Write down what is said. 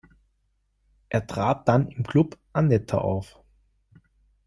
Er trat dann im Club „Anetta“ auf.